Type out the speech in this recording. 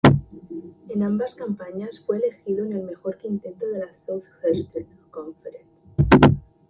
En ambas campañas fue elegido en el mejor quinteto de la Southeastern Conference.